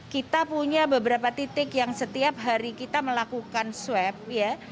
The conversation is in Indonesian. kita punya beberapa titik yang setiap hari kita melakukan swab ya